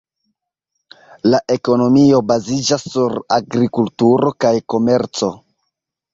La ekonomio baziĝas sur agrikulturo kaj komerco.